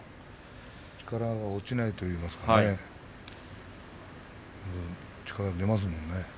力が落ちないといいますか力が出ますもんね。